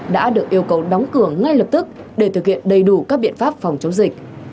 đã được yêu cầu đóng cửa ngay lập tức để thực hiện đầy đủ các biện pháp phòng chống dịch